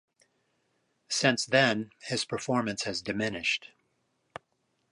Since then, his performance has diminished.